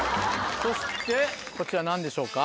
そしてこちら何でしょうか？